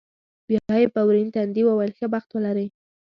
بیا یې په ورین تندي وویل، ښه بخت ولرې.